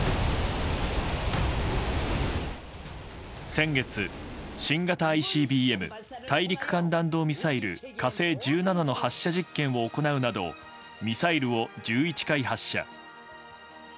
先月、新型ＩＣＢＭ・大陸間弾道ミサイル「火星１７」の発射実験を行うなどミサイルを１１回発射。